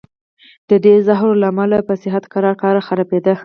د دې زهرو له امله به صحت ورو ورو خرابېده.